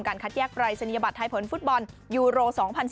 คัดแยกปรายศนียบัตรไทยผลฟุตบอลยูโร๒๐๑๙